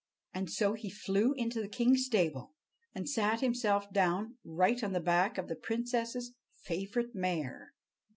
And so he flew into the king's stable and sat himself down right on the back of the princess's favorite mare.